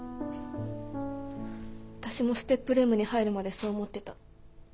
私もＳＴＥＰルームに入るまでそう思ってた。